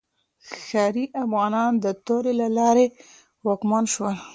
ښاري افغانان د تورې له لارې واکمن شول.